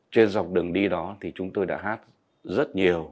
trên dọc đường đi đó thì chúng tôi đã hát rất nhiều